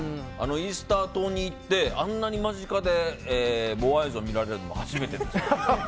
イースター島に行ってあんなに間近でモアイ像を見られるのは初めてです。